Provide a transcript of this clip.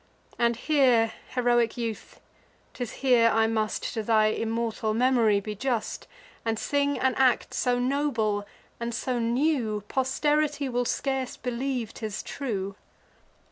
And here, heroic youth, 'tis here I must To thy immortal memory be just, And sing an act so noble and so new, Posterity will scarce believe 'tis true.